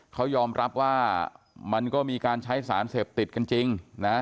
เขายอมรับว่ามันก็มีการใช้สารเสพติดกันจริงนะ